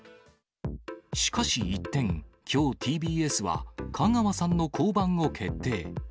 しかし一転、きょう、ＴＢＳは香川さんの降板を決定。